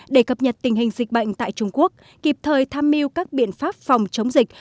để cập nhật tình hình dịch bệnh tại trung quốc kịp thời tham mưu các biện pháp phòng chống dịch